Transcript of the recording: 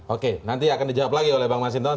oke nanti akan dijawab lagi oleh bang mas hinton